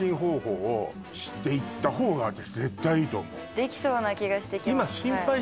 できそうな気がして来ます。